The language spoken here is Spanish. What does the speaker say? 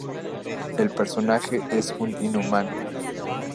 El personaje es un Inhumano.